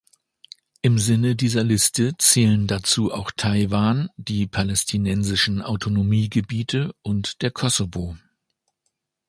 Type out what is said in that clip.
Im Sinne dieser Liste zählen dazu auch Taiwan, die Palästinensischen Autonomiegebiete und der Kosovo.